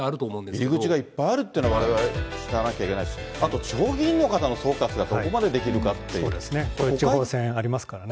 入り口はいっぱいあるというのは、われわれ、知らなきゃいけないですし、あと地方議員の方の総括がどこまでで地方選ありますからね。